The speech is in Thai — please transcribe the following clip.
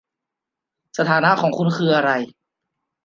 สถานะของคุณคืออะไร